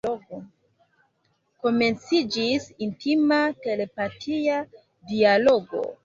Komenciĝis intima telepatia dialogo.